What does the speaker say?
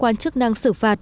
quan chức năng xử phạt